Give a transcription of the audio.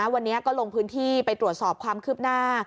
วันนี้ก็ลงพื้นที่ไปตรวจสอบความคืบหน้า